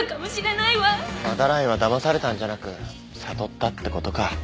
斑井はだまされたんじゃなく悟ったってことか。